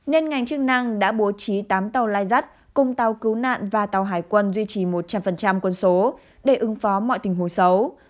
nên ngành chức năng đã bố trí tám tàu lai rắt cùng tàu cứu nạn và tàu hải quân duy trì một trăm linh quân số để ứng phó mọi tình huống xấu